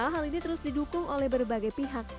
hal ini terus didukung oleh berbagai pihak